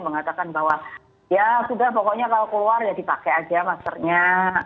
mengatakan bahwa ya sudah pokoknya kalau keluar ya dipakai aja maskernya